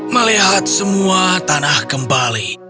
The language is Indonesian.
melihat semua tanah kembali